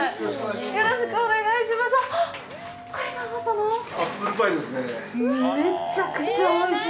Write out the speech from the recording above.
よろしくお願いします。